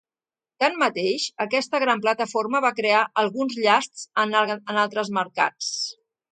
Tanmateix, aquesta gran plataforma va crear alguns llasts en altres mercats.